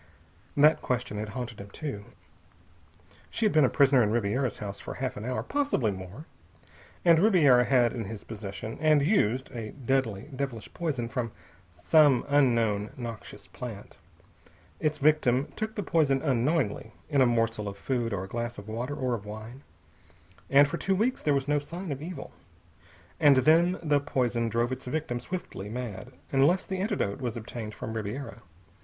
That question had haunted him too. She had been a prisoner in Ribiera's house for half an hour, possibly more. And Ribiera had in his possession, and used, a deadly, devilish poison from some unknown noxious plant. Its victim took the poison unknowingly, in a morsel of food or a glass of water or of wine. And for two weeks there was no sign of evil. And then the poison drove its victim swiftly mad unless the antidote was obtained from Ribiera.